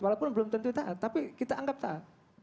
walaupun belum tentu taat tapi kita anggap taat